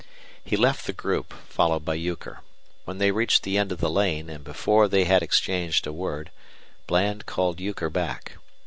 He left the group, followed by Euchre. When they reached the end of the lane, and before they had exchanged a word, Bland called Euchre back.